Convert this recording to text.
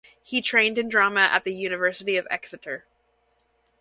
He trained in drama at the University of Exeter.